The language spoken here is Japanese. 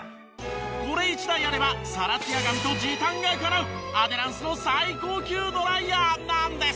これ一台あればサラツヤ髪と時短がかなうアデランスの最高級ドライヤーなんです。